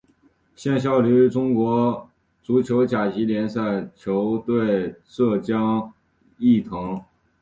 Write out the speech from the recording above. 现效力于中国足球甲级联赛球队浙江毅腾。